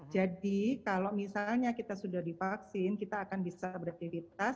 jadi kalau misalnya kita sudah divaksin kita akan bisa beraktivitas